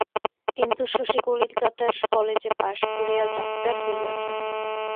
কিন্তু শশী কলিকাতার কলেজে পাস করিয়া ডাক্তার হইয়াছে।